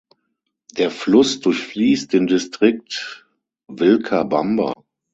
Der Fluss durchfließt den Distrikt Vilcabamba.